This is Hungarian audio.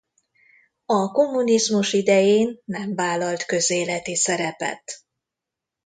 A kommunizmus idején nem vállalt közéleti szerepet.